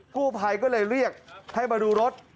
กู้ภัยก็เลยเรียกให้มาดูรถ